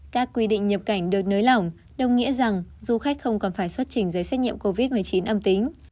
các quy định nhập cảnh được nới lỏng đồng nghĩa rằng du khách không còn phải xuất trình giấy xét nghiệm covid một mươi chín âm tính